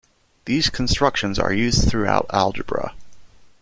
These constructions are used throughout algebra.